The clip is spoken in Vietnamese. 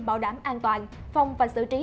bảo đảm an toàn phòng và xử trí